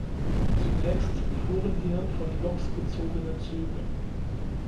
Zunächst fuhren hier von Loks gezogene Züge.